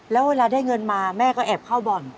แล้วเวลาได้เงินมาแม่ก็แอบเข้าบ่อน